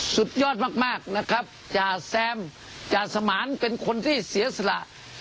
สุดยอดมากจะแซมจะสมารเป็นคนที่เสียสละ